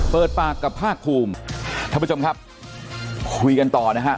เปิดปากกับภาคภูมิ